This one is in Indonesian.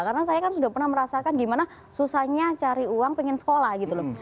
karena saya kan sudah pernah merasakan gimana susahnya cari uang pengen sekolah gitu loh